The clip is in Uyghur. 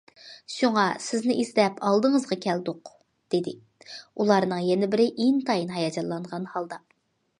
شۇڭا سىزنى ئىزدەپ ئالدىڭىزغا كەلدۇق، دېدى ئۇلارنىڭ يەنە بىرى ئىنتايىن ھاياجانلانغان ھالدا.